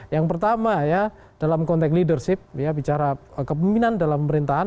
yang pertama ya dalam konteks leadership bicara kepemimpinan dalam pemerintahan